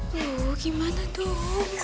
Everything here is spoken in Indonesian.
loh gimana tuh